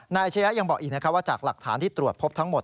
อาชญะยังบอกอีกนะครับว่าจากหลักฐานที่ตรวจพบทั้งหมด